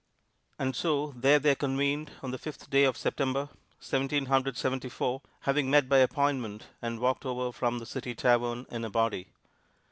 And so there they convened on the fifth day of September, Seventeen Hundred Seventy four, having met by appointment, and walked over from the City Tavern in a body.